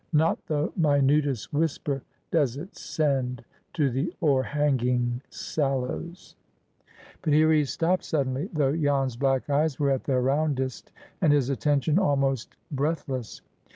Not the minutest whisper does it send To the o'erhanging sallows"— But here he stopped suddenly, though Jan's black eyes were at their roundest, and his attention almost breathless.